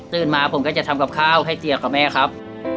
มาผมก็จะทำกับข้าวให้เจียกับแม่ครับ